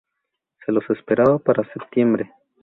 Se los esperaba para septiembre.